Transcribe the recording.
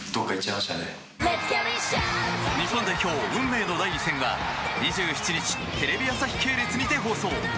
日本代表運命の第２戦は２７日テレビ朝日系列にて放送。